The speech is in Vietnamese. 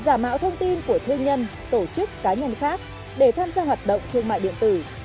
giả mạo thông tin của thương nhân tổ chức cá nhân khác để tham gia hoạt động thương mại điện tử